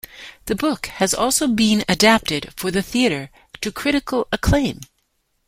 The book has also been adapted for the theatre, to critical acclaim.